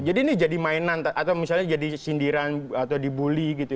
jadi ini jadi mainan atau misalnya jadi sindiran atau dibully gitu